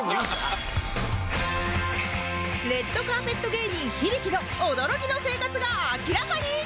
レッドカーペット芸人響の驚きの生活が明らかに！